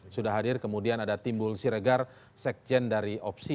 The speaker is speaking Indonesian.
sudah hadir kemudian ada timbul siregar sekjen dari opsi